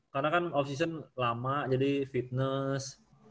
karena kan off season lama jadi fitness